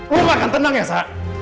lo gak akan tenang ya sa